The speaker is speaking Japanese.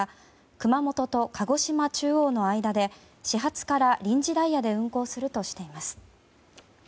熊本と鹿児島中央の間で始発から臨時ダイヤで運行するとしています。